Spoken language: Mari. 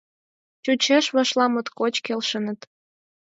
Чучеш, вашла моткоч келшеныт.